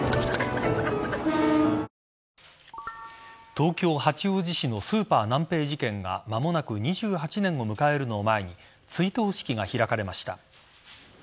東京・八王子市のスーパーナンペイ事件が間もなく２８年を迎えるのを前に追悼式が開かれました。